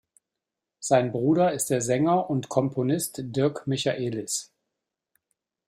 Sein Bruder ist der Sänger und Komponist Dirk Michaelis.